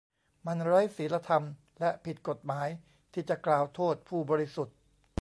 มันไร้ศีลธรรมและผิดกฎหมายที่จะกล่าวโทษผู้บริสุทธิ์